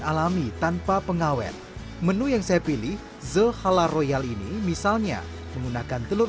salami tanpa pengawet menu yang saya pilih the halla royal ini misalnya menggunakan telur